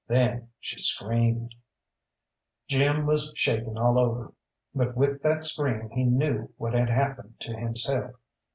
Then she screamed. Jim was shaking all over, but with that scream he knew what had happened to himself.